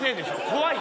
怖い。